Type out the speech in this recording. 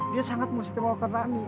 dia sangat mengestimewakan rani